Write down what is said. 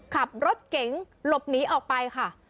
ขับรถเก๋งหลบหนีออกไปค่ะ